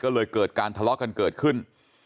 ก็เลยเกิดการทะเลาะกันเกิดขึ้น